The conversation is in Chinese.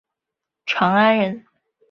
长安人。